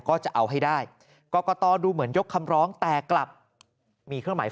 ก็จะเอาให้ได้กรกตดูเหมือนยกคำร้องแต่กลับมีเครื่องหมาย